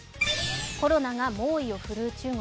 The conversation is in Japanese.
コロナが猛威を振るう中国。